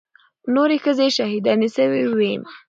نورې ښځې شهيدانې سوې وې.